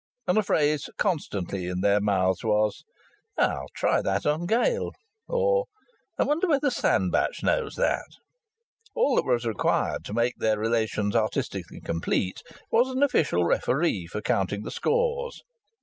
And a phrase constantly in their mouths was, "I'll try that on Gale;" or, "I wonder whether Sandbach knows that?" All that was required to make their relations artistically complete was an official referee for counting the scores.